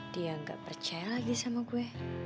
dia gak percaya lagi sama gue